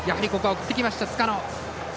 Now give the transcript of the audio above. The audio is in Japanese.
送ってきました、塚野。